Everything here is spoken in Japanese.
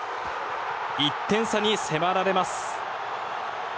１点差に迫られます。